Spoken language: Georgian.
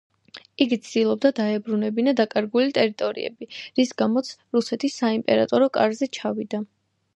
იგი ცდილობდა დაებრუნებინა დაკარგული ტერიტორიები, რის გამოც რუსეთის საიმპერატორო კარზე ჩავიდა.